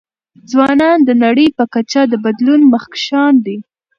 ځوانان د نړۍ په کچه د بدلون مخکښان دي.